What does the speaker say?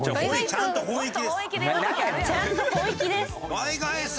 ちゃんと本意気です！